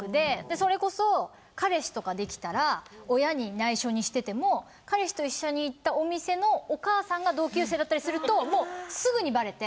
それこそ彼氏とかできたら親に内緒にしてても彼氏と一緒に行ったお店のお母さんが同級生だったりするともうすぐにバレて。